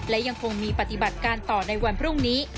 และยังคงมีปฏิบัติการต่อในวันพรุ่งนี้